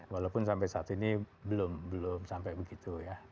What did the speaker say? walaupun sampai saat ini belum sampai begitu ya